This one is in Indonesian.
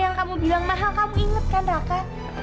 yang kamu bilang mahal kamu inget kan raka